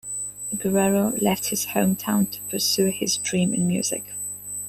Guerrero left his hometown to pursue his dream in music.